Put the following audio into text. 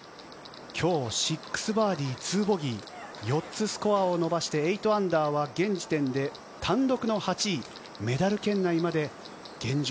今日６バーディー、２ボギー４つスコアを伸ばして８アンダーは現時点で単独の８位メダル圏内まで現状